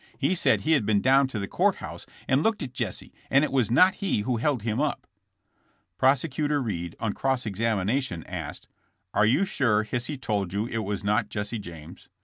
He said he had been down to the court house and looked at Jesse, and it was not he who held him up." Prosecutor Reed, on cross examination, asked: Are you sure Hisey told you it was not Jesse James?"